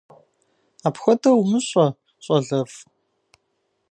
Апхуэдэу умыщӀэ, щӀалэфӀ!